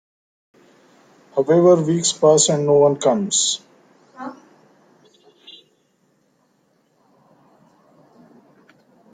However, weeks pass and no one comes.